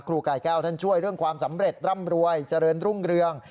กายแก้วท่านช่วยเรื่องความสำเร็จร่ำรวยเจริญรุ่งเรือง